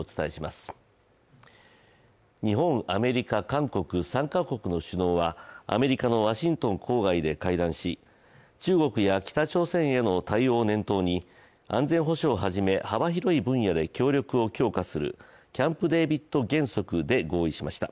日本、アメリカ、韓国３か国の首脳はアメリカのワシントン郊外で会談し中国や北朝鮮への対応を念頭に安全保障をはじめ幅広い分野で協力を強化するキャンプ・デービッド原則で合意しました。